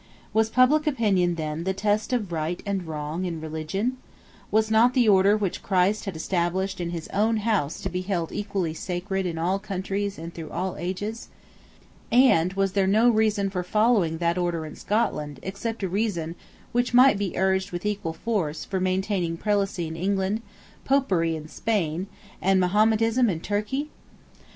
Was public opinion, then, the test of right and wrong in religion? Was not the order which Christ had established in his own house to be held equally sacred in all countries and through all ages? And was there no reason for following that order in Scotland except a reason which might be urged with equal force for maintaining Prelacy in England, Popery in Spain, and Mahometanism in Turkey?